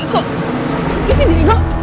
kok di sini dego